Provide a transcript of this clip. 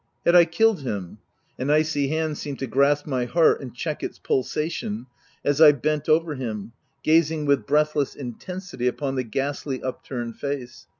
Had I killed him ?— an icy hand seemed to grasp my heart and check its pulsation, as I bent over him, gazing with breathless intensity upon the ghastly, upturned face.